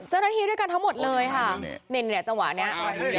เจ้าหน้าที่ด้วยกันทั้งหมดเลยค่ะนี่เนี่ยจังหวะนี้